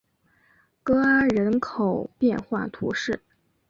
戈阿人口变化图示